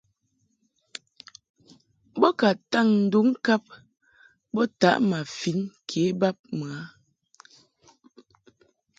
Bo ka taŋ nduŋ ŋkab bo taʼ ma fin ke bab mɨ a.